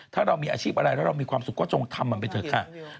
ถ้าเรามีอาชีพอะไรแล้วเรามีความสุขก็จงทำมันไปเถอะค่ะ